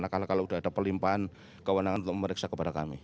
kelimpan kewenangan untuk memeriksa kepada kami